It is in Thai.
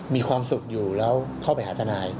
มีความสุขอยู่แล้วเข้าไปหาทนาย